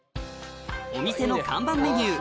お店の看板メニュー